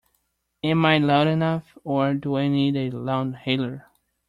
Am I loud enough, or do I need a loudhailer?